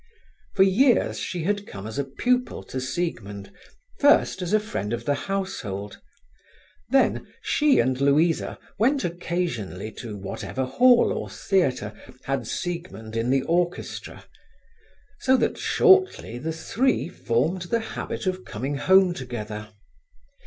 For years she had come as pupil to Siegmund, first as a friend of the household. Then she and Louisa went occasionally to whatever hall or theatre had Siegmund in the orchestra, so that shortly the three formed the habit of coming home together.